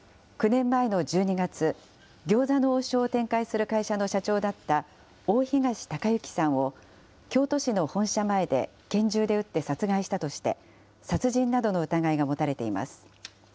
９年前の１２月、餃子の王将を展開する会社の社長だった大東隆行さんを、京都市の本社前で拳銃で撃って殺害したとして、殺人などの疑いが持たれています。